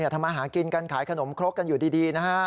ทำมาหากินกันขายขนมครกกันอยู่ดีนะฮะ